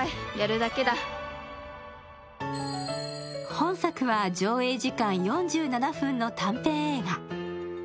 本作は上映時間４７分の短編映画。